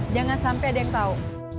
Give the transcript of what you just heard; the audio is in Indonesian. jangan sampai ada yang tahu